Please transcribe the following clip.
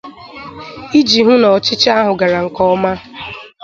iji hụ na ọchịchị ahụ gara nke ọma